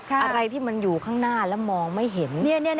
อะไรที่มันอยู่ข้างหน้าแล้วมองไม่เห็น